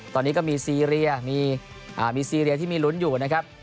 ตอนนี้ก็มีซีเรียมีซีเรียที่มีลุ้นอยู่นะครับ